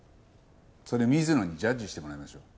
それ水野にジャッジしてもらいましょう。